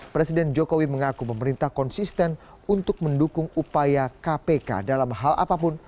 presiden jokowi mengaku pemerintah konsisten untuk mendukung upaya kpk dalam hal apapun